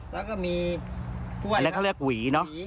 แล้วก็มีกล้วยครับแล้วก็เรียกหวีเนอะ